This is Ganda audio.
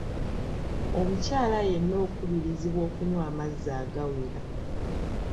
Omukyala yenna okubirizibwa okunywa amazzi agawera.